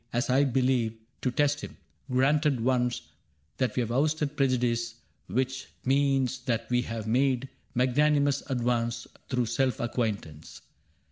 As I believe, to test him, — granted once That we have ousted prejudice, which means That we have made magnanimous advance Through self acquaintance.